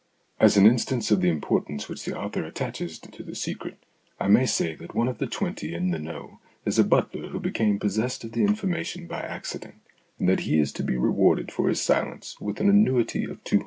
As an instance of the importance which the author attaches to the secret, I may say that one of the twenty 'in the know' is a butler who became possessed of the information by accident, and that he is to be rewarded for his silence with an annuity of 200.